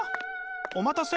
「お待たせ！」